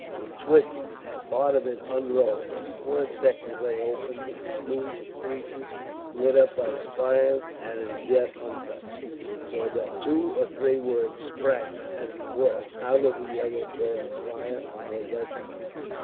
It twisted, and part of it unrolled, and for a second lay open and smooth of creases, lit up by the flame and as yet untouched; so that two or three words sprang, as it were, out of a yellow glare of fire and were legible.